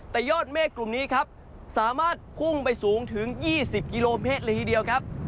แต่ยอดเมฆกลุ่มนี้ครับสามารถพุ่งไปสูงถึง๒๐กิโลเมตรเลยทีเดียวครับ